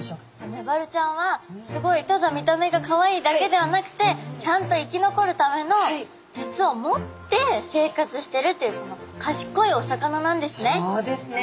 メバルちゃんはすごいただ見た目がかわいいだけではなくてちゃんと生き残るための術を持って生活してるっていうかしこいお魚なんですね。